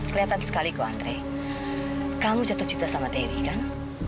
kelihatan sekali kok andre kamu jatuh cinta sama dewi kan